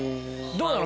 どうなの？